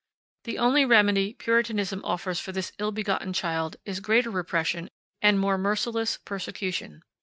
The only remedy Puritanism offers for this ill begotten child is greater repression and more merciless persecution.